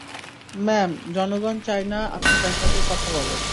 Ma'am, জনগণ চায়না আপনি তার সাথে কথা বলেন।